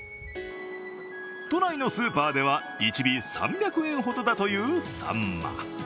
都内のスーパーでは１尾３００円ほどだというサンマ。